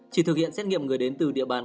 chỉ thực hiện xét nghiệm người đến từ địa bàn